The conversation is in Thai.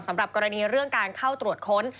สำหรับกรณีเรื่องการเข้าตรวจค้น